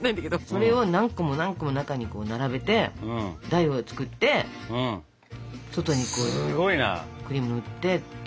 それを何個も何個も中に並べて台を作って外にクリーム塗ってって。